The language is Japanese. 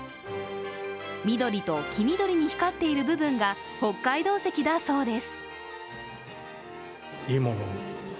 緑と黄緑に光っている部分が北海道石だそうです。